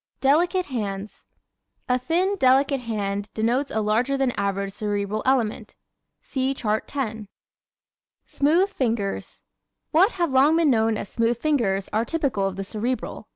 Delicate Hands ¶ A thin, delicate hand denotes a larger than average Cerebral element. (See Chart 10) Smooth Fingers ¶ What have long been known as "smooth fingers" are typical of the Cerebral.